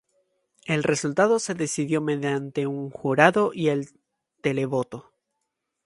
El resultado se decidió mediante un jurado y el televoto.